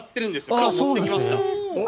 今日持ってきました。